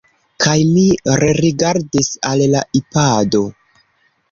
Kaj mi rerigardis al la Ipado.